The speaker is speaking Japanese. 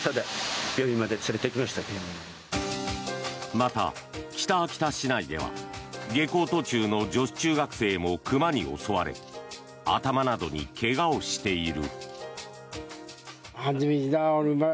また、北秋田市内では下校途中の女子中学生も熊に襲われ頭などに怪我をしている。